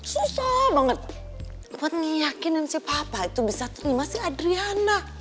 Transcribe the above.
susah banget buat ngeyakinan si papa itu bisa terima si adriana